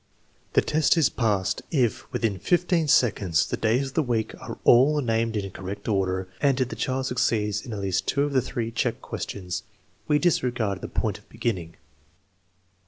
The test is passed if, within fifteen seconds, the days of the week are all named in correct order, and if the child succeeds in at least two of the three check questions. We disregard the point of beginning.